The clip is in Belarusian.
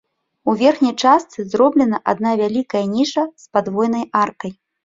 У верхняй частцы зроблена адна вялікая ніша з падвойнай аркай.